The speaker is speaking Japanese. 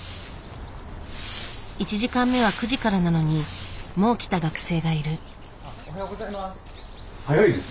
１時間目は９時からなのにもう来た学生がいる。